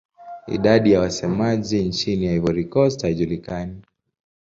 Idadi ya wasemaji nchini Cote d'Ivoire haijulikani.